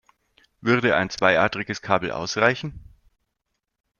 Würde ein zweiadriges Kabel ausreichen?